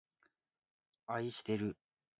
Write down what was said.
あいしてる